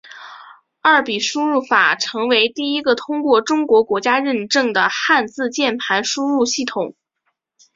二笔输入法成为第一个通过中国国家认证的汉字键盘输入系统。